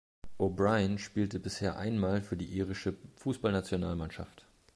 O’Brien spielte bisher einmal für die irische Fußballnationalmannschaft.